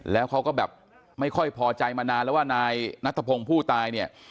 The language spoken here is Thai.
แล้วเขาก็แบบไม่ค่อยพอใจมานานแล้วว่านายนัทพงศ์ผู้ตายเนี่ย